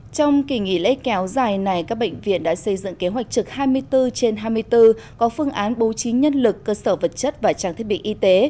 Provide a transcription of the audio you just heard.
trong kỳ nghỉ lễ kéo dài này các bệnh viện đã xây dựng kế hoạch trực hai mươi bốn trên hai mươi bốn có phương án bố trí nhân lực cơ sở vật chất và trang thiết bị y tế